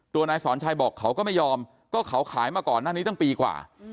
นายสอนชัยบอกเขาก็ไม่ยอมก็เขาขายมาก่อนหน้านี้ตั้งปีกว่า